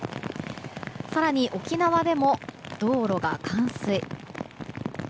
更に、沖縄でも道路が冠水。